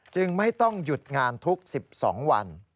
ไม่ต้องหยุดงานทุก๑๒วัน